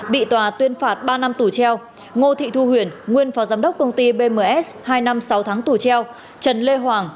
bị tòa tuyên phạt ba năm tù treo ngô thị thu huyền nguyên phó giám đốc công ty bms hai năm sáu tháng tù treo trần lê hoàng